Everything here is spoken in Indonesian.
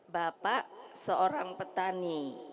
bapak seorang petani